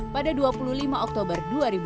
pada dua puluh lima oktober